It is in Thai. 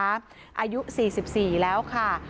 อายุ๔๔แล้วค่ะ